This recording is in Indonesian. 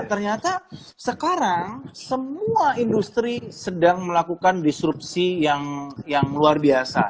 ternyata sekarang semua industri sedang melakukan disrupsi yang luar biasa